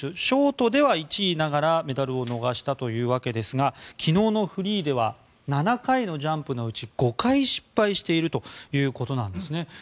ショートでは１位ながらメダルを逃したというわけですが昨日のフリーでは７回のジャンプのうち５回失敗しているということなんですね。